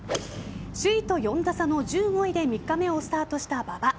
首位と４打差の１５位で３日目をスタートした馬場。